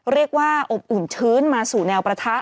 เรียกว่าอบอุ่นทื้นมาสู่แนวประทะ